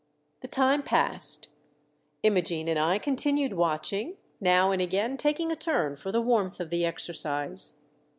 The time passed. Imogene and I con tinued watching, now and again taking a turn for the warmth of the exercise.